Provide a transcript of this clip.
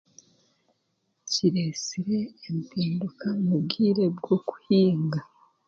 Kireesire empinduka mu bwire bw'okuhinga